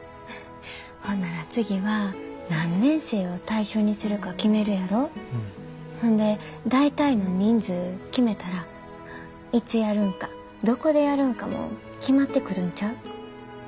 ほんなら次は何年生を対象にするか決めるやろほんで大体の人数決めたらいつやるんかどこでやるんかも決まってくるんちゃう？